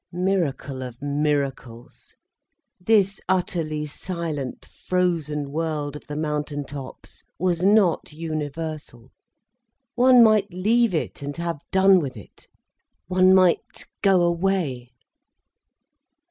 Miracle of miracles!—this utterly silent, frozen world of the mountain tops was not universal! One might leave it and have done with it. One might go away.